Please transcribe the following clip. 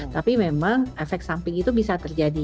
tapi memang efek samping itu bisa terjadi